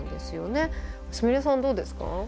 すみれさんどうですか？